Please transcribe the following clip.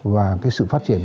và cái sự phát triển